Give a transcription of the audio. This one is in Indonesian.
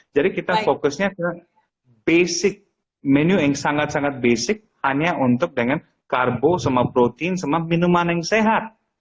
jadi kita fokusnya ke basic menu yang sangat sangat basic hanya untuk dengan karbo sama protein sama minuman yang sehat